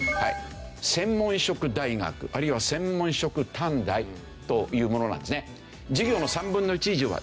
専門職大学あるいは専門職短大というものなんですね。